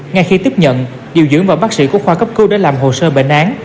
ngay khi tiếp nhận điều dưỡng và bác sĩ của khoa cấp cứu để làm hồ sơ bệnh án